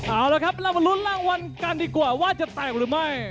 เอาละครับเรามาลุ้นรางวัลกันดีกว่าว่าจะแตกหรือไม่